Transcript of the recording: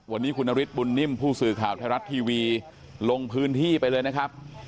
วันนี้คุณนฤทธบุญนิ่มผู้สื่อข่าวไทยรัฐทีวีลงพื้นที่ไปเลยนะครับ